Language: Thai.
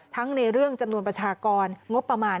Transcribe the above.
ในเรื่องจำนวนประชากรงบประมาณ